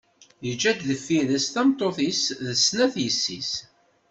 Yeǧǧa-d deffir-s tameṭṭut-is d snat n yessi-s.